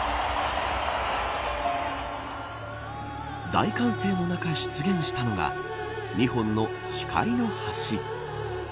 大歓声の中、出現したのが２本の光の橋。